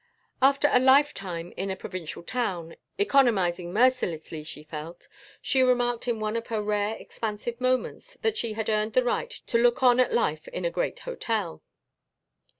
After a "lifetime" in a provincial town, economizing mercilessly, she felt, she remarked in one of her rare expansive moments, that she had earned the right to look on at life in a great hotel.